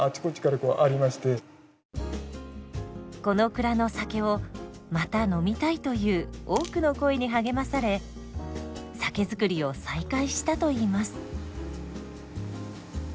この蔵の酒をまた飲みたいという多くの声に励まされ酒造りを再開したといいます。